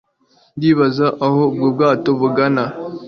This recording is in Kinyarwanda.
Ndibaza aho ubwo bwato bugana